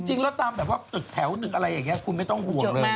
จริงแล้วตามแบบว่าแถวถึงอะไรอย่างนี้คุณไม่ต้องห่วงเลยใช่ครับ